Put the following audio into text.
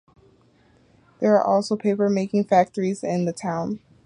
There are also paper-making factories in the town.